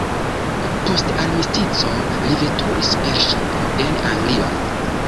Post armistico li veturis per ŝipo en Anglion.